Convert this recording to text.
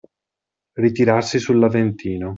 Ritirarsi sull'Aventino.